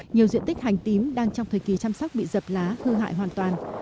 nhiều diện tích hành tím đang trong thời kỳ chăm sóc bị dập lá hư hại hoàn toàn